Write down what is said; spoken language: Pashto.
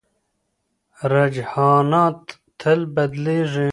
رجحانات تل بدلېږي.